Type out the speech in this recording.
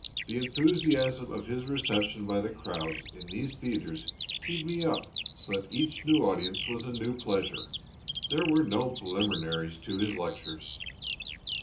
The enthusiasm of his reception by the crowds in these theatres keyed me up so that each new audience was a new pleasure. There were no preliminaries to his lectures.